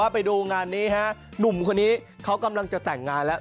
ไปดูงานนี้หนุ่มคนนี้เขากำลังจะแต่งงานแล้ว